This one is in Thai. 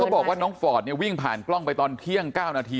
บอกว่าน้องฟอร์ดเนี่ยวิ่งผ่านกล้องไปตอนเที่ยง๙นาที